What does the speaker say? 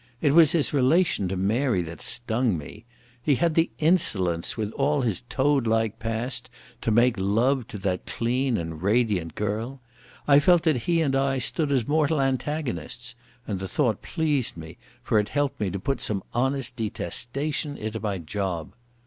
It was his relation to Mary that stung me. He had the insolence with all his toad like past to make love to that clean and radiant girl. I felt that he and I stood as mortal antagonists, and the thought pleased me, for it helped me to put some honest detestation into my job.